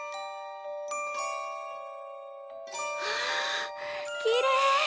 わあきれい。